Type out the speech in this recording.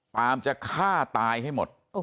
ปาล์มจะฆ่าตายให้หมด